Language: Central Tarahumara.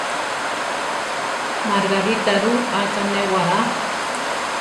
Margarita ru, atza néwará.